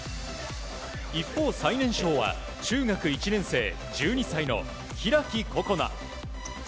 一方、最年少は中学１年生１２歳の開心那。